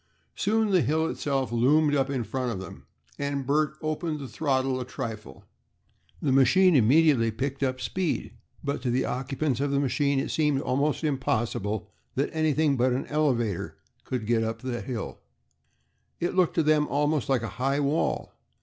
Soon the hill itself loomed up in front of them, and Bert opened the throttle a trifle. The machine immediately picked up speed, but to the occupants of the machine it seemed almost impossible that anything but an elevator could get up that hill. It looked to them almost like a high wall.